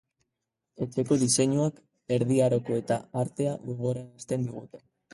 Etxeko diseinuak, erdi aroko eta artea gogorarazten digute.